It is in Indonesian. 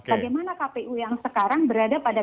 bagaimana kpu yang sekarang berada pada